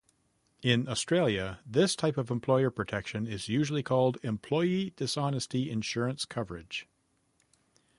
In Australia, this type of employer protection is usually called employee dishonesty insurance coverage.